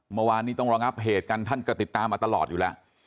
เมื่อวานนี้ต้องระงับเหตุกันท่านก็ติดตามมาตลอดอยู่แล้ว